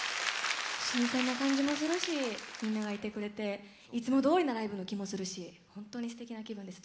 新鮮な感じもするしみんながいてくれていつもどおりのライブの気もするし本当にすてきな気分です。